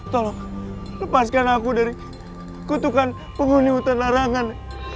tolong lepaskan aku dari kutukan penghuni hutan larangan